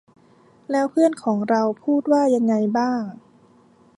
แล้วเพื่อนของเราพูดว่ายังไงบ้าง